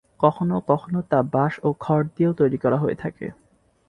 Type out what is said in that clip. কখনও কখনও তা বাঁশ ও খড় দিয়েও তৈরি করা হয়ে থাকে।